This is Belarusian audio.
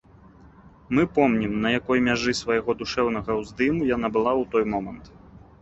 Мы помнім, на якой мяжы свайго душэўнага ўздыму яна была ў той момант.